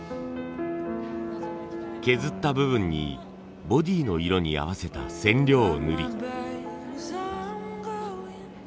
削った部分にボディーの色に合わせた染料を塗り。